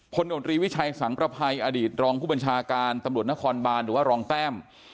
โนตรีวิชัยสังประภัยอดีตรองผู้บัญชาการตำรวจนครบานหรือว่ารองแต้ม